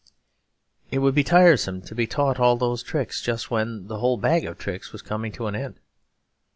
It would be tiresome to be taught all those tricks just when the whole bag of tricks was coming to an end.